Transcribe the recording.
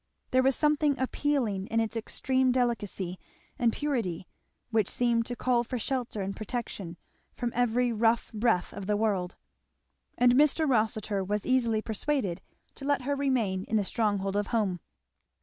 There was something appealing in its extreme delicacy and purity which seemed to call for shelter and protection from every rough breath of the world; and Mr. Rossitur was easily persuaded to let her remain in the stronghold of home.